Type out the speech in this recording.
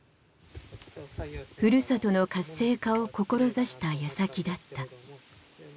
ふるさとの活性化を志した矢先だった。